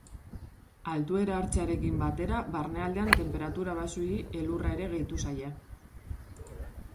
Altuera hartzearekin batera, barnealdean tenperatura baxuei elurra ere gehitu zaie.